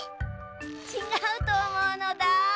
ちがうとおもうのだ。